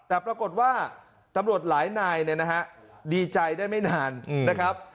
แต่ปรากฏว่าตำรวจหลายนายเนี่ยนะฮะดีใจได้ไม่นานนะครับ